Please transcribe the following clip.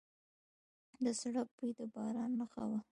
د سړک بوی د باران نښه وه.